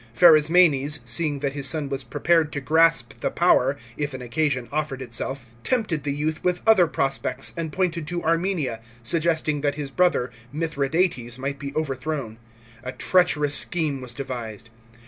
Pharasmanes, seeing that his son was prepared to grasp the power, if an occasion offered itself, tempted the youth with other prospects, and pointed to Armenia, suggesting that his brother Mithradates might be overthrown. A treacherous scheme was devised.